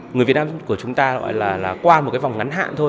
người việt nam của chúng ta gọi là qua một cái vòng ngắn hạn thôi